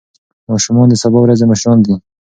ماشومان د سبا ورځې مشران دي.